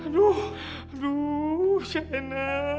aduh aduh sena